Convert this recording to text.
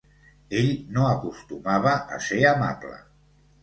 Ell no acostumava a ser amable.